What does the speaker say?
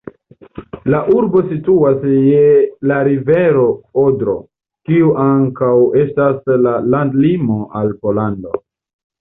La urbo situas je la rivero Odro, kiu ankaŭ estas la landlimo al Pollando.